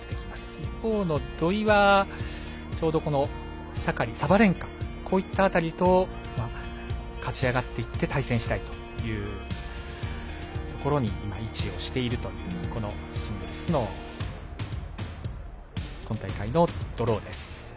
一方の土居は、ちょうどサカリ、サバレンカこういった辺りと勝ち上がっていって対戦したいというところに位置をしているというシングルスの今大会のドローです。